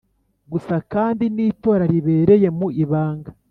Gusa kandi n itora ribereye mu ibanga